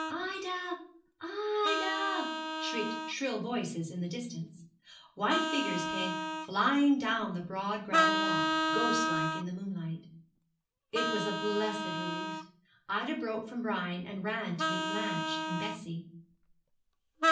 'Ida, Ida,' shrieked shrill voices in the distance. White figures came flying down the broad gravel walk, ghost like in the moonlight. It was a blessed relief. Ida broke from Brian, and ran to meet Blanche and Bessie.